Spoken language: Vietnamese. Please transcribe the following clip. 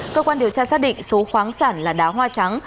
cơ quan điều tra xác định số khoáng sản là đá hoa trắng